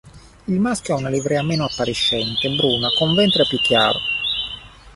Il maschio ha una livrea meno appariscente, bruna, con ventre più chiaro.